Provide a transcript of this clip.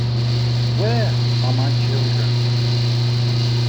Where Are My Children?